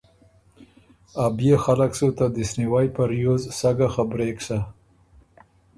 ا بيې خلق سُو ته دِست نیوئ په ریوز سَۀ ګه خبرېک سَۀ۔